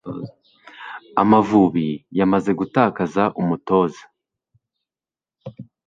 amavubi yamaze gutakaza umutoza